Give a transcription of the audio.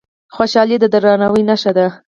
خوشالي د درناوي نښه ده.